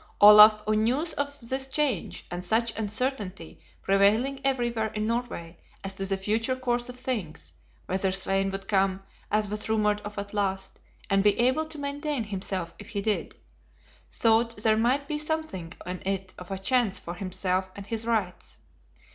Olaf on news of this change, and such uncertainty prevailing everywhere in Norway as to the future course of things, whether Svein would come, as was rumored of at last, and be able to maintain himself if he did, thought there might be something in it of a chance for himself and his rights.